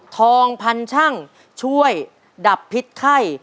ทองพันช่างช่วยดับพิษไข้